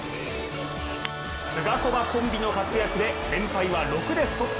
スガコバコンビの活躍で連敗は６でストップ。